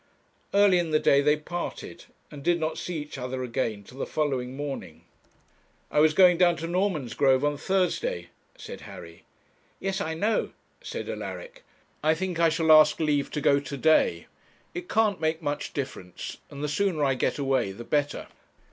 Early in the day they parted, and did not see each other again till the following morning. 'I was going down to Normansgrove on Thursday,' said Harry. 'Yes, I know,' said Alaric. 'I think I shall ask leave to go to day. It can't make much difference, and the sooner I get away the better.'